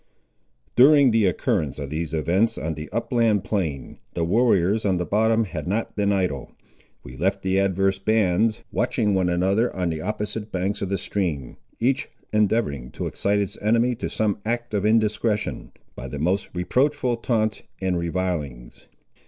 During the occurrence of these events on the upland plain, the warriors on the bottom had not been idle. We left the adverse bands watching one another on the opposite banks of the stream, each endeavouring to excite its enemy to some act of indiscretion, by the most reproachful taunts and revilings.